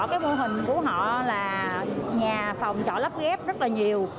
cái mô hình của họ là nhà phòng trọ lắp ghép rất là nhiều